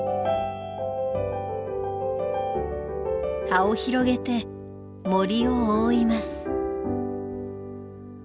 葉を広げて森を覆います。